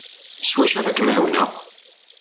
S wacu ara kem-ɛiwneɣ?